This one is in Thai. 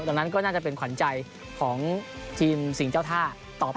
ดังนั้นก็น่าจะเป็นขวัญใจของทีมสิ่งเจ้าท่าต่อไป